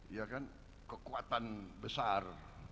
ya kan kekuatan besar